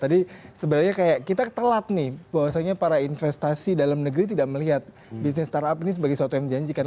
tadi sebenarnya kita telat nih bahwasanya para investasi dalam negeri tidak melihat bisnis start up ini sebagai sesuatu yang dijanjikan